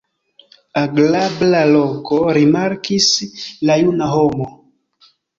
Agrabla loko, rimarkis la juna homo.